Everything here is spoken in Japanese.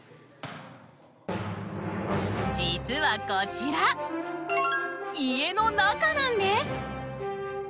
実はこちら家の中なんです。